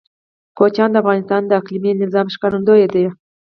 کوچیان د افغانستان د اقلیمي نظام ښکارندوی ده.